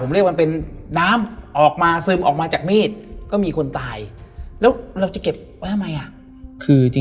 เราจะเก็บิมอะไร